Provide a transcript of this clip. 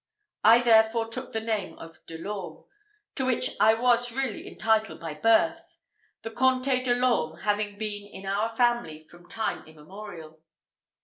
I therefore took the name of De l'Orme, to which I was really entitled by birth; the Comté de l'Orme having been in our family from time immemorial.